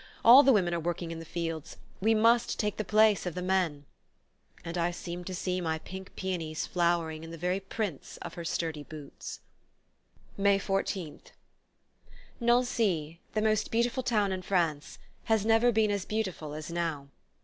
All the women are working in the fields we must take the place of the men." And I seemed to see my pink peonies flowering in the very prints of her sturdy boots! May 14th. Nancy, the most beautiful town in France, has never been as beautiful as now.